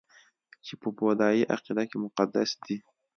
چې په بودايي عقیده کې مقدس دي